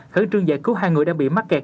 khởi trường giải cứu hai người đã bị mắc kẹt